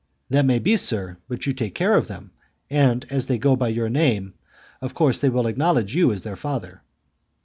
"That may be, sir, but you take care of them, and as they go by your name, of course they will acknowledge you as their father."